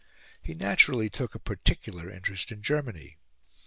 He naturally took a particular interest in Germany.